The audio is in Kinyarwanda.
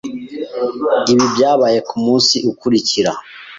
Ibi byabaye kumunsi ukurikira.